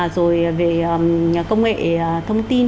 rồi về công nghệ thông tin